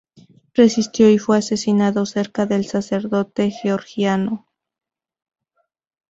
Resistió y fue asesinado cerca del sacerdote georgiano.